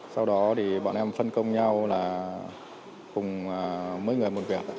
sau đó thì bọn em phân công nhau là cùng mấy người một việc